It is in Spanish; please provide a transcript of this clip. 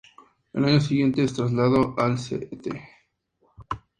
Al año siguiente se trasladó al St.